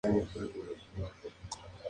No me llaméis Noemi, sino llamadme Mara.